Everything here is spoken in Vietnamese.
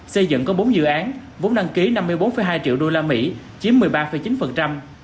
xây dựng có bốn dự án vốn đăng ký năm mươi bốn hai triệu đô la mỹ chiếm một mươi ba chín